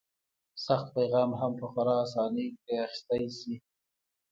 سخت پیغام هم په خورا اسانۍ ترې اخیستی شي.